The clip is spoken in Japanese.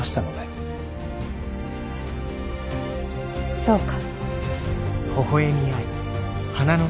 そうか。